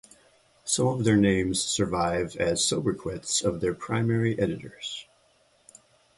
Some of their names survive as sobriquets of their primary editors.